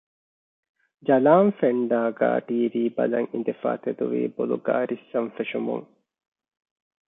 ޖަލާން ފެންޑާގައި ޓީވީ ބަލަން އިނދެފައި ތެދުވީ ބޮލުގައި ރިއްސަން ފެށުމުން